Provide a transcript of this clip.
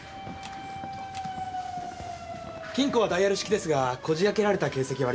金庫はダイヤル式ですがこじ開けられた形跡はありません。